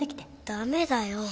ダメだよ。